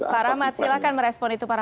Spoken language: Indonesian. paramat silahkan merespon itu paramat